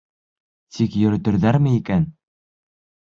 Тик йөрөтөрҙәрме икән?